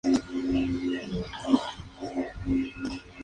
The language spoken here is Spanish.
Este viaje antecedió al de Marco Polo.